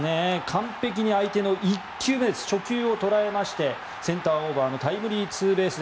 完璧に相手の初球を捉えましてセンターオーバーのタイムリーツーベース。